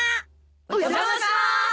お邪魔します。